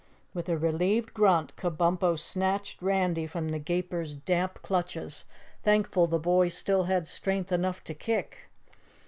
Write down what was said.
With a relieved grunt, Kabumpo snatched Randy from the Gaper's damp clutches, thankful the boy still had strength enough to kick.